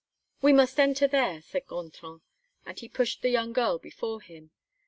"We must enter under there," said Gontran. And he pushed the young girl before him.